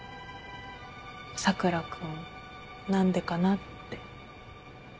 佐倉君何でかなって。